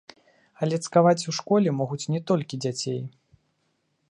Але цкаваць у школе могуць не толькі дзяцей.